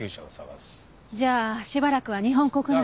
じゃあしばらくは日本国内に。